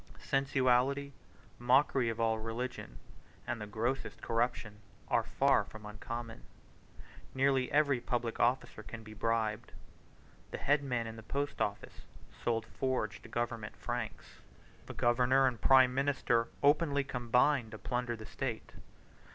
Sensuality, mockery of all religion, and the grossest corruption, are far from uncommon. Nearly every public officer can be bribed. The head man in the post office sold forged government franks. The governor and prime minister openly combined to plunder the state.